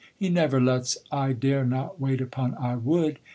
He never lets I dare not wait upon I would.